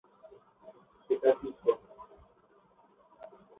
সেটা কী শোন।